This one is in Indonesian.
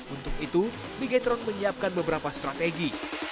untuk itu bigetron menyiapkan beberapa strategi